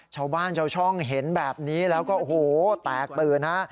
ชาวบ้านชาวช่องเห็นแบบนี้แล้วก็โอ้โหแตกตื่นฮะ